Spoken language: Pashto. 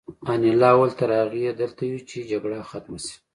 انیلا وویل چې تر هغې دلته یو چې جګړه ختمه شي